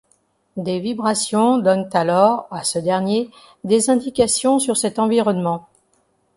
Des vibrations donnent alors, à ce dernier, des indications sur cet environnement.